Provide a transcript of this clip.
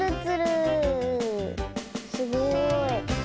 すごい。